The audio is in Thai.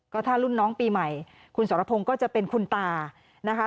ก็ถ้ารุ่นน้องปีใหม่คุณสรพงศ์ก็จะเป็นคุณตานะคะ